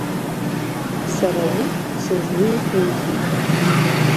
Сара уи сызлаиеиӷьузеи?